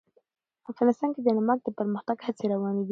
افغانستان کې د نمک د پرمختګ هڅې روانې دي.